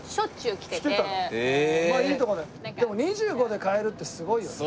でも２５で買えるってすごいよね。